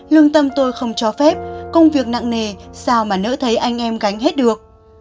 lương tâm tôi không cho phép công việc nặng nề sao mà nỡ thấy anh em gánh hết được